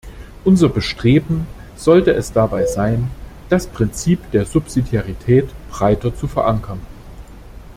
Unser Bestreben sollte es dabei sein, das Prinzip der Subsidiarität breiter zu verankern.